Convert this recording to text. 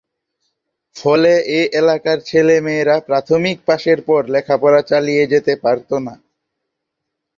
ফলে এ এলাকার ছেলে মেয়েরা প্রাথমিক পাশের পর লেখা পড়া চালিয়ে যেতে পারতো না।